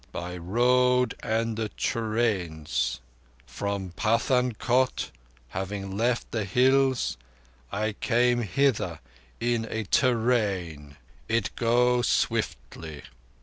"By road and the trains. From Pathânkot, having left the Hills, I came hither in a te rain. It goes swiftly.